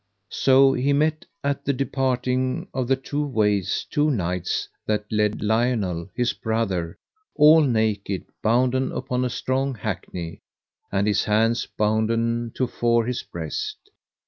So he met at the departing of the two ways two knights that led Lionel, his brother, all naked, bounden upon a strong hackney, and his hands bounden to fore his breast.